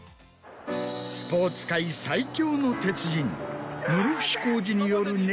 スポーツ界最強の鉄人。